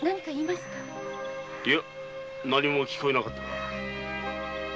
いや何も聞こえなかったが。